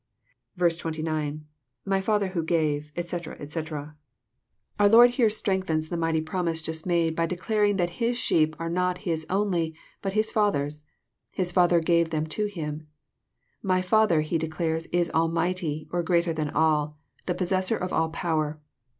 29.— [ify Fatlier who ga^e, etc, etcJ} Our Lord here strengthens JOHN, CHAP. X. 213 the mighty promise just made, by declaring that His sheep are not His only, bat His Father's : His Father gave them to Him. My Father, He declares, is * almighty,* or greater than all ; the Possessor of all power.